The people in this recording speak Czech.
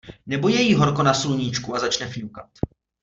Nebo jí je horko na sluníčku a začne fňukat.